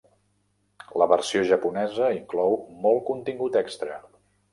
La versió japonesa inclou molt contingut extra.